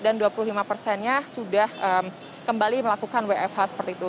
dan dua puluh lima nya sudah kembali melakukan wfh seperti itu